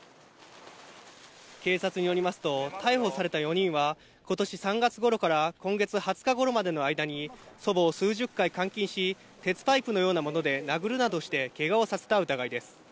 警察によりますと、逮捕された４人は、ことし３月ごろから今月２０日ごろまでの間に、祖母を数十回監禁し、鉄パイプのようなもので殴るなどしてけがをさせた疑いです。